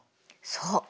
そう。